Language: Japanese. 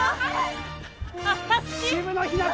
渋野日向子